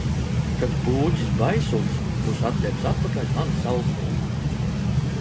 Kad Pūķis Baisulis būs atdevis atpakaļ manu Saulstariņu.